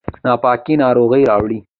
ناپاکي ناروغي راوړي